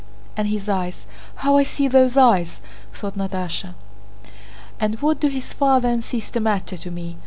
And his eyes—how I see those eyes!" thought Natásha. "And what do his father and sister matter to me?